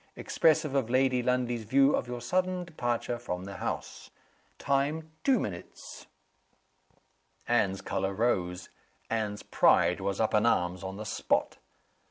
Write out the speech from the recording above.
Expressive of Lady Lundie's view of your sudden departure from the house. Time, two minutes." Anne's color rose. Anne's pride was up in arms on the spot.